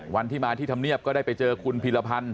วันที่มาที่ธรรมเนียบก็ได้ไปเจอคุณพีรพันธ์